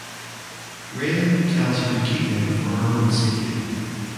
Raylan tells her to keep them for her own safety.